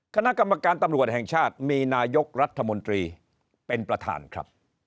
คณะกรรมการตำรวจแห่งชาติมีนายกรัฐมนตรีเป็นประธานครับ